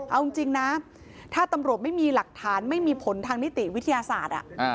เอาจริงนะถ้าตำรวจไม่มีหลักฐานไม่มีผลทางนิติวิทยาศาสตร์